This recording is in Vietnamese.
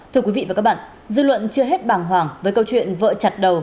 thưa quý vị và các bạn dư luận chưa hết bàng hoàng với câu chuyện vợ chặt đầu